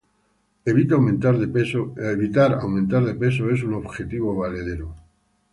evitar aumentar de peso es un objetivo valedero